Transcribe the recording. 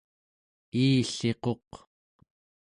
iilliquq